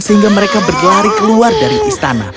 sehingga mereka berlari keluar dari istana